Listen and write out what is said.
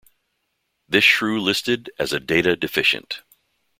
This shrew listed as a "data deficient".